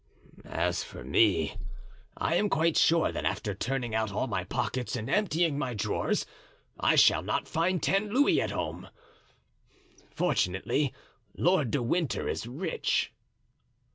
"As for me, I am quite sure that after turning out all my pockets and emptying my drawers I shall not find ten louis at home. Fortunately Lord de Winter is rich."